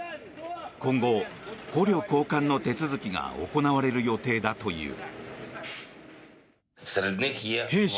今後、捕虜交換の手続きが行われる予定だという。